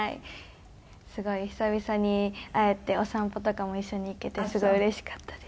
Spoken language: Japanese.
すごい久々に会えてお散歩とかも一緒に行けてすごいうれしかったです。